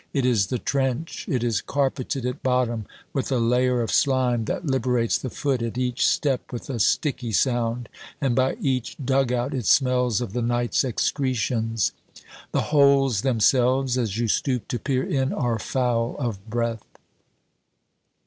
It is the trench. It is carpeted at bottom with a layer of slime that liberates the foot at each step with a sticky sound; and by each dug out it smells of the night's excretions. The holes themselves, as you stoop to peer in, are foul of breath.